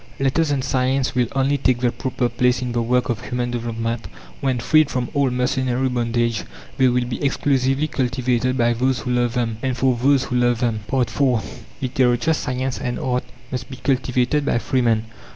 Letters and science will only take their proper place in the work of human development when, freed from all mercenary bondage, they will be exclusively cultivated by those who love them, and for those who love them. IV Literature, science, and art must be cultivated by free men.